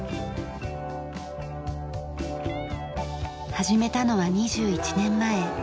始めたのは２１年前。